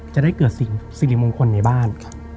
จะได้เกิดศิริมงคลในบ้าน